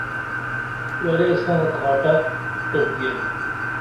ورےساں کھاٹہ ٹوپ گین